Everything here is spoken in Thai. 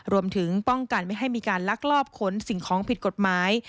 รวมถึงป้องกันไม่ให้มีการลักลอบขนสิ่งของผิดกฎหมาย